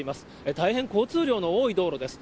大変交通量の多い道路です。